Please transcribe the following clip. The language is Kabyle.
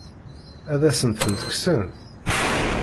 Ad asen-tent-kksen?